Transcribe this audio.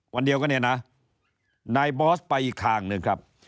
วันเดียวกันเนี่ยนะนายบอสไปอีกทางหนึ่งครับ